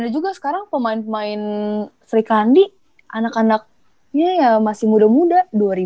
sama aja karena kemarin kan aku pemain pemain sri kandi anak anaknya ya masih muda muda